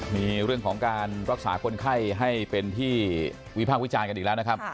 มีเรื่องของการรักษาคนไข้ให้เป็นที่วิพากษ์วิจารณ์กันอีกแล้วนะครับ